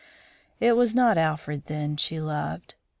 It was not Alfred, then, she loved.